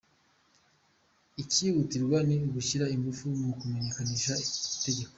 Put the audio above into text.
Ikihutirwa ni ugushyira ingufu mu kumenyekanisha itegeko.